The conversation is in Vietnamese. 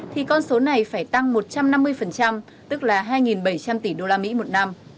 thì con số này phải tăng một trăm năm mươi tức là hai bảy trăm linh tỷ usd một năm